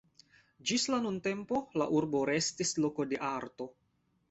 Ĝis la nuntempo la urbo restis loko de arto.